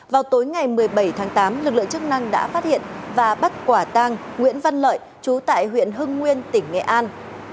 vào tối ngày một mươi bảy tháng tám lực lượng chức năng đã phát hiện và bắt quả tang nguyễn văn lợi chú tại huyện hưng nguyên tỉnh nghệ an